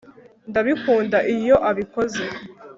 Ndabikunda iyo abikoze